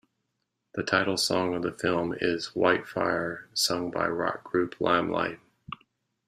The title song of the film is "White Fire", sung by rock group Limelight.